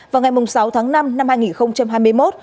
vào ngày sáu tháng năm năm hai nghìn hai mươi một